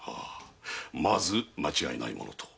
まず間違いないものと。